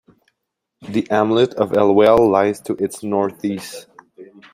The hamlet of Elwell lies to its north-east.